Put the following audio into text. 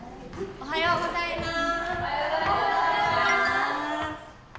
おはようございます！